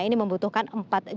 ini membutuhkan empat juta